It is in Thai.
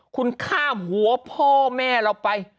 คุณข้ามหัวพ่อแม่เราไป